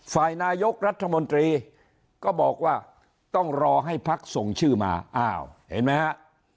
ฝ่ายนายกรัฐมนตรีก็บอกว่าต้องรอให้พักส่งชื่อมาอ้าวเห็นไหมฮะ